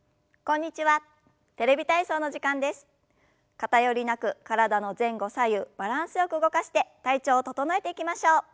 偏りなく体の前後左右バランスよく動かして体調を整えていきましょう。